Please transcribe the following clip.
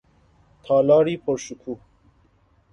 تالاری پر شکوه